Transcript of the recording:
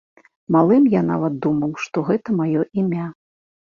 Малым я нават думаў, што гэта маё імя.